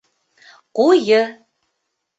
Ҡуйы